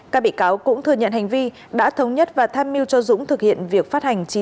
các bị cáo cũng thừa nhận hành vi đã thống nhất và tham mưu cho dũng thực hiện việc phát hành